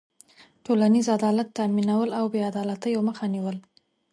ټولنیز عدالت تأمینول او بېعدالتيو مخه نېول.